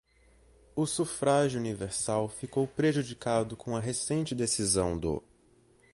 o sufrágio universal ficou prejudicado com a recente decisão do